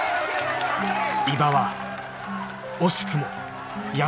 伊庭は惜しくも敗れた